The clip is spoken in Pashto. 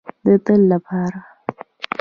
د تل لپاره.